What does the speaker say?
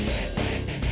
eh mbak be